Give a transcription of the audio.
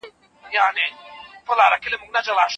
موږ چيري کولای سو د ریښتیني بریالیتوب راز په سمه توګه زده کړو؟